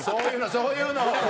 そういうの！